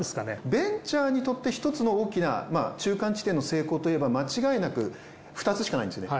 ベンチャーにとって１つの大きな中間地点の成功といえば間違いなく２つしかないんですよね。